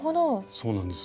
そうなんです。